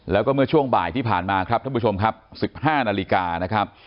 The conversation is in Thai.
แล้วก็เมื่อช่วงบ่ายที่ผ่านมาครับท่านผู้ชมครับ๑๕นาฬิกานะครับ